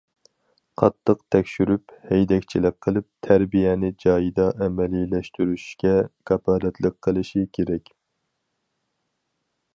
قاتتىق تەكشۈرۈپ، ھەيدەكچىلىك قىلىپ، تەربىيەنى جايىدا ئەمەلىيلەشتۈرۈشكە كاپالەتلىك قىلىشى كېرەك.